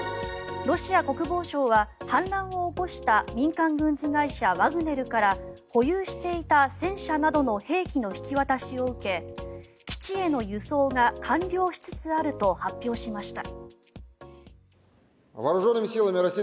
ロシア国防省は反乱を起こした民間軍事会社ワグネルから保有していた戦車などの引き渡しを受け基地への輸送が完了しつつあると発表しました。